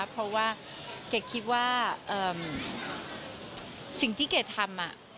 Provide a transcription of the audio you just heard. เพราะว่าเกดคิดว่าสิ่งที่เกดทำ